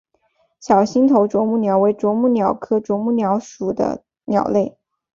小星头啄木鸟为啄木鸟科啄木鸟属的鸟类。